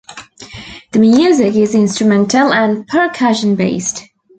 The music is instrumental and percussion-based.